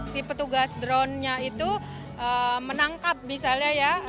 si petugas dronenya itu menangkap misalnya ya